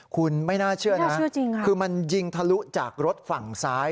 คุณไม่น่าเชื่อนะคือมันยิงทะลุจากรถฝั่งซ้าย